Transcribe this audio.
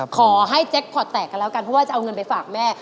ขอให้แจ็คพอร์ตแตกกันแล้วกันเพราะว่าจะเอาเงินไปฝากแม่